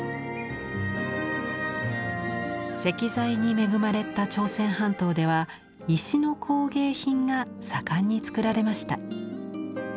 石材に恵まれた朝鮮半島では石の工芸品が盛んに作られました。